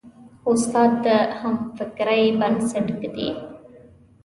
استاد د همفکرۍ بنسټ ږدي.